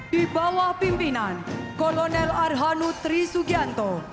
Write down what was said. di bawah pimpinan mayor infanteri farid yudho